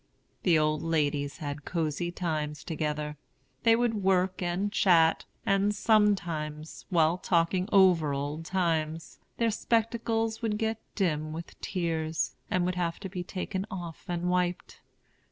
The old ladies had cosey times together. They would work and chat, and sometimes, while talking over old times, their spectacles would get dim with tears, and would have to be taken off and wiped.